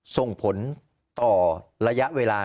ส่งผลต่อระยะเวลา